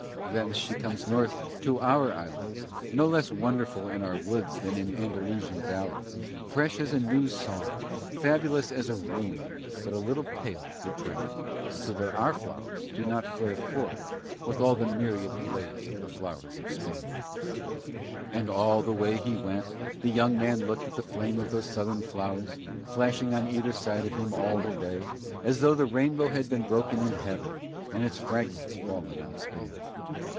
Thence she comes north to our islands, no less wonderful in our woods than in Andalusian valleys, fresh as a new song, fabulous as a rune, but a little pale through travel, so that our flowers do not quite flare forth with all the myriad blaze of the flowers of Spain. And all the way as he went the young man looked at the flame of those southern flowers, flashing on either side of him all the way, as though the rainbow had been broken in Heaven and its fragments fallen on Spain.